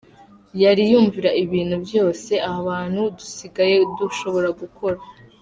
Yariyumvira ibintu vyose abantu dusigaye dushobora gukora.